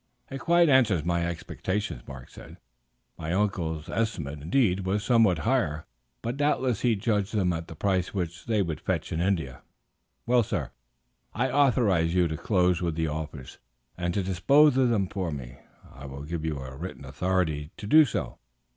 "It quite answers my expectations," Mark said. "My uncle's estimate, indeed, was somewhat higher, but doubtless he judged them at the price which they would fetch in India. Well, sir, I authorize you to close with the offers, and to dispose of them for me. I will give you a written authority to do so.